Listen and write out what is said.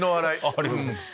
ありがとうございます。